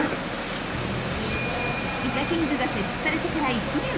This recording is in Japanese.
イカキングが設置されてから１年。